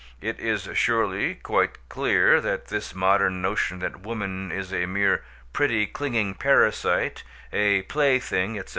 It is surely quite clear that this modern notion that woman is a mere "pretty clinging parasite," "a plaything," etc.